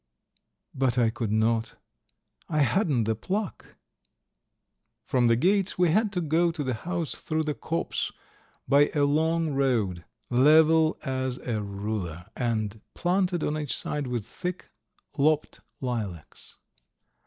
But I could not. I hadn't the pluck!" From the gates we had to go to the house through the copse by a long road, level as a ruler, and planted on each side with thick, lopped lilacs.